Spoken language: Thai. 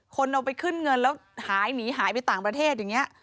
คนเอาไปขึ้นเงินแล้วหายหนีหายไปต่างประเทศอย่างนี้